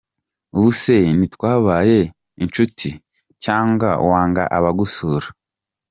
Ubu se ntitwabaye inshuti? Cyangwa wanga abagusura?.